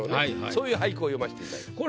そういう俳句を詠ましていただきました。